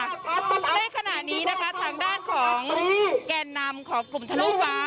ในขณะนี้นะคะทางด้านของแก่นำของกลุ่มทะลุฟ้า